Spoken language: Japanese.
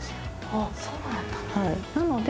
あそうなんだ